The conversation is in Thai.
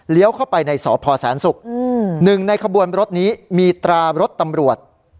เข้าไปในสพแสนศุกร์หนึ่งในขบวนรถนี้มีตรารถตำรวจ